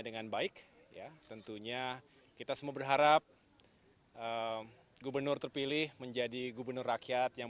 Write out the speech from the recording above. dengan baik ya tentunya kita semua berharap gubernur terpilih menjadi gubernur rakyat yang